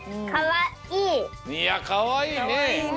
いやかわいいね！